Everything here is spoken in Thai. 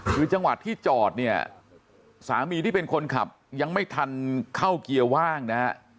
คือจังหวัดที่จอดเนี่ยสามีที่เป็นคนขับยังไม่ทันเข้าเกียร์ว่างนะฮะ